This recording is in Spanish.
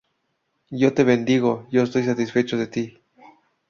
Yo te bendigo, yo estoy satisfecho de ti.